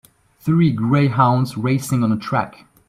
Three greyhounds racing on a track